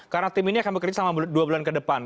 karena tim ini akan berkerja selama dua bulan kedepan